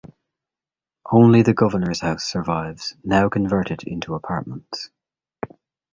Only the governor's house survives, now converted into apartments.